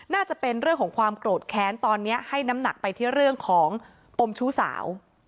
น่าจะเป็นเรื่องของความโกรธแค้นตอนนี้ให้น้ำหนักไปที่เรื่องของปมชู้สาว